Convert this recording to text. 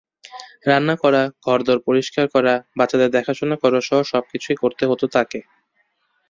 রান্না করা, ঘরদোর পরিষ্কার করা, বাচ্চাদের দেখাশোনা করাসহ সবকিছুই করতে হতো তাকে।